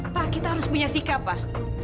pak kita harus punya sikap pak